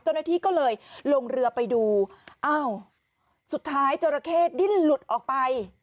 เจ้าหน้าที่ก็เลยลงเรือไปดูอ้าวสุดท้ายจราเข้ดิ้นหลุดออกไป